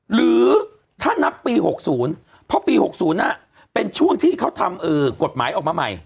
หรือถ้านับปี๖๐เพราะปี๖๐เป็นช่วงที่เขาทำกฎหมายออกมาใหม่